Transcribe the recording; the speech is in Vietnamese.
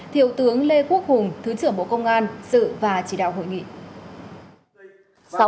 thiếu tướng lê quốc hùng thứ trưởng bộ công an sự và chỉ đạo hội nghị